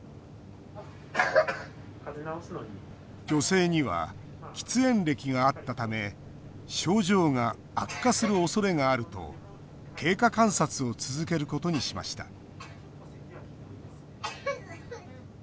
女性には喫煙歴があったため症状が悪化するおそれがあると経過観察を続けることにしました。